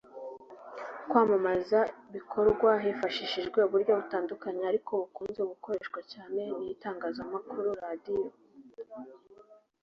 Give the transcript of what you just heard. Kwamamaza bikorwa hifashishijwe uburyo butandukanye ariko ubukunze gukoreshwa cyane ni Itangazamakuru (Radio